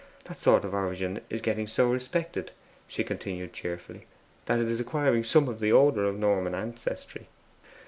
That sort of origin is getting so respected,' she continued cheerfully, 'that it is acquiring some of the odour of Norman ancestry.